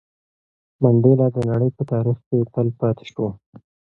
منډېلا د نړۍ په تاریخ کې تل پاتې شو.